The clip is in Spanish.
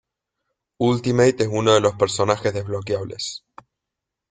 Ultimate es uno de los personajes desbloqueables.